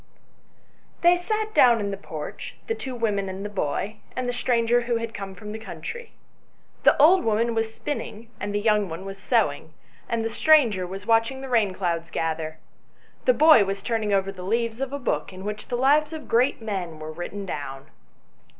THEY sat down in the porch, the two women and the boy, and the stranger who had come from the country. The old woman was spinning, and the young one was sewing, and the stranger was watch ing the rain clouds gather. The boy was turning over the leaves of a book in which the lives of great men were written down.